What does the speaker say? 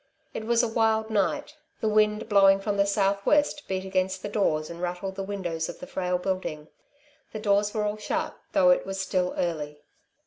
It was a wild night; the wind blowing from the south west beat against the doors and rattled the windows of the frail building. The doors were all shut though it was still early.